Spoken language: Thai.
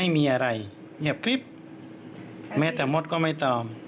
เมธมดก็ไม่ต่อ